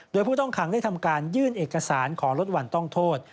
โดยผู้ต้องขังได้ทำการยื่นเอกสารขอลดวันต้องโทษ